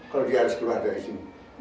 kalau dia harus keluar dari sini